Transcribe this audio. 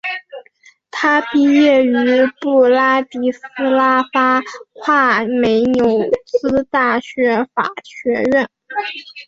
他毕业于布拉迪斯拉发夸美纽斯大学法学院。